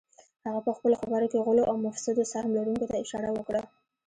هغه پهخپلو خبرو کې غلو او مفسدو سهم لرونکو ته اشاره وکړه